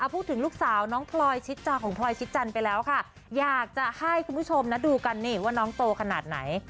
พูดถึงลูกสาวน้องพลอยชิดจาของพลอยชิดจันทร์ไปแล้วค่ะอยากจะให้คุณผู้ชมนะดูกันนี่ว่าน้องโตขนาดไหน